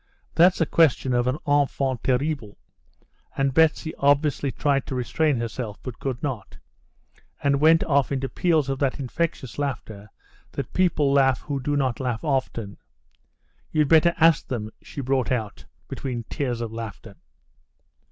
That's the question of an enfant terrible," and Betsy obviously tried to restrain herself, but could not, and went off into peals of that infectious laughter that people laugh who do not laugh often. "You'd better ask them," she brought out, between tears of laughter.